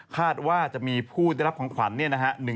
คาดว่าจะมีผู้ได้รับของขวัญ